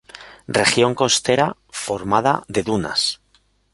Región costera formada de dunas.